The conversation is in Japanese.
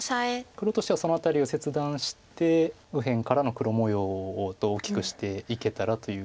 黒としてはその辺りを切断して右辺からの黒模様を大きくしていけたらという。